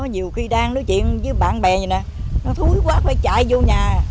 nhiều khi đang nói chuyện với bạn bè như thế này nó thúi quá phải chạy vô nhà